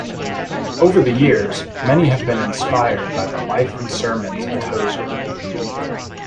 Over the years many have been inspired by the life and sermons of Tozer.